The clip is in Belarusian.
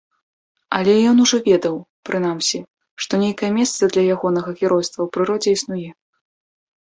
Але ён ужо ведаў, прынамсі, што нейкае месца для ягонага геройства ў прыродзе існуе.